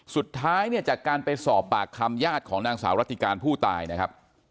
สุดท้ายเนี่ยจากการไปสอบปากคำญาติของนางสาวรัติการผู้ตายนะครับ